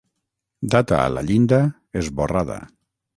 Data a la llinda esborrada.